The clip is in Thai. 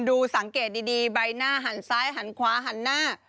ดูสังเกตดีใบหน้าหันซ้ายหันขวาหันหน้า